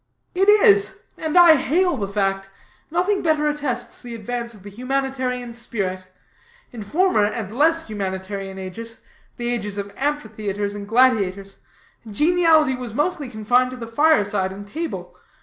"It is, and I hail the fact. Nothing better attests the advance of the humanitarian spirit. In former and less humanitarian ages the ages of amphitheatres and gladiators geniality was mostly confined to the fireside and table.